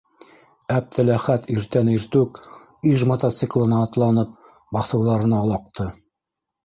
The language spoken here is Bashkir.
Әптеләхәт иртән иртүк, «ИЖ» мотоциклына атланып, баҫыуҙарына олаҡты.